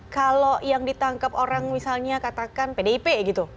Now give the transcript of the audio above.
kalau yang ditangkap orang misalnya katakan pdip gitu